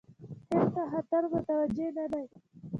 هند ته خطر متوجه نه دی.